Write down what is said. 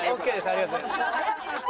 ありがとうございます。